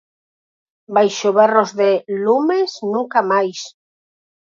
Baixo berros de "Lumes nunca máis!".